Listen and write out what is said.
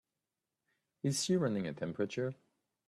Is she running a temperature?